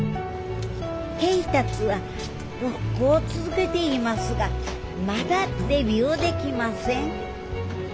恵達はロックを続けていますがまだデビューできません。